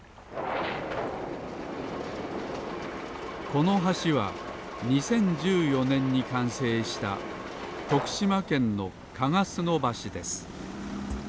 この橋は２０１４ねんにかんせいしたとくしまけんのかがすのばしです